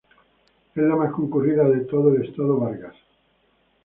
Es la más concurrida de todo el Estado Vargas.